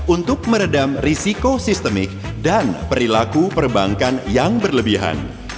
untuk meredam risiko sistemik dan perilaku perbankan yang berlebihan